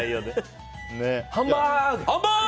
ハンバーグ！